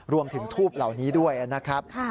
รวมถึงทูบเหล่านี้ด้วยนะครับ